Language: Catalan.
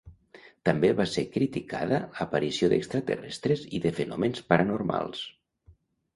També va ser criticada aparició d'extraterrestres i de fenòmens paranormals.